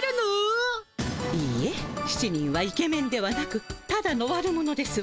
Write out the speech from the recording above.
いいえ７人はイケメンではなくただの悪者ですわ。